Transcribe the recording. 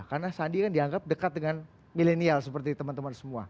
karena sandi kan dianggap dekat dengan milenial seperti teman teman semua